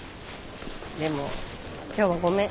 でも今日はごめん。